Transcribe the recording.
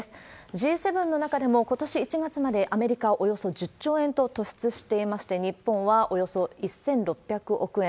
Ｇ７の中でも、ことし１月まで、アメリカ、およそ１０兆円と突出していまして、日本はおよそ１６００億円、